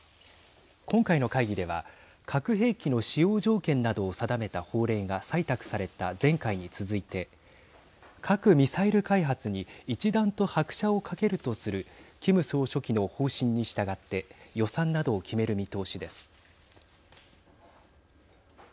今回の会議では核兵器の使用条件などを定めた法令が採択された前回に続いて核・ミサイル開発に一段と拍車をかけるとするキム総書記の方針に従って予算などを決める見通しです。